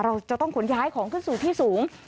เราจะต้องขนย้ายของขึ้นสู่ที่สูง